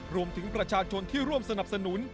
รวมถึงประชาชนที่ร่วมสนับสนุน